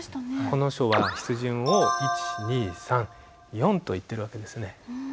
この書は筆順を１２３４といってる訳ですね。